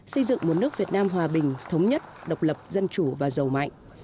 xây dựng một nước việt nam hòa bình thống nhất độc lập dân chủ và giàu mạnh